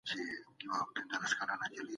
مایکروویف برس د لږ وخت لپاره وچ کړئ.